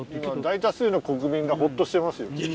今大多数の国民がほっとしてますよ。